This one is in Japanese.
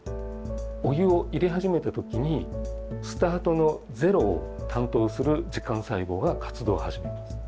お湯を入れ始めた時にスタートのゼロを担当する時間細胞が活動を始めます。